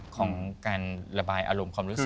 ของการระบายอารมณ์ความรู้สึก